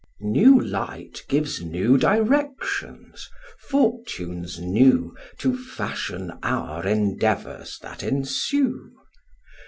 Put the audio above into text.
New light gives new directions, fortunes new To fashion our endeavours that ensue.